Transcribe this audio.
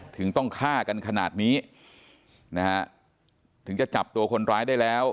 ถึงต้องฆ่ากันขนาดนี้นะฮะถึงจะจับตัวคนร้ายได้แล้ว